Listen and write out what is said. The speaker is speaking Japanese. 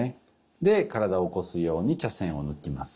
で体を起こすように茶筅を抜きます。